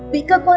bị cơ quan